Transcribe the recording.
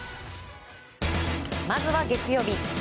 まず月曜日。